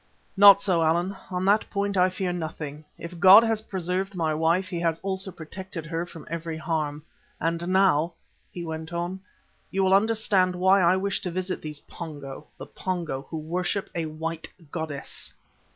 "Not so, Allan. On that point I fear nothing. If God has preserved my wife, He has also protected her from every harm. And now," he went on, "you will understand why I wish to visit these Pongo the Pongo who worship a white goddess!"